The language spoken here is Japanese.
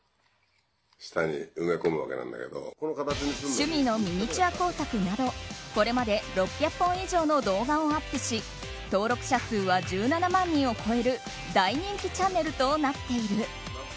趣味のミニチュア工作などこれまで６００本以上の動画をアップし登録者数は１７万人を超える大人気チャンネルとなっている。